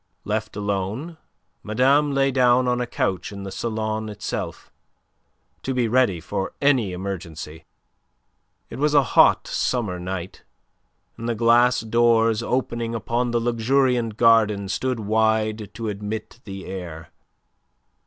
Left alone, madame lay down on a couch in the salon itself, to be ready for any emergency. It was a hot summer night, and the glass doors opening upon the luxuriant garden stood wide to admit the air.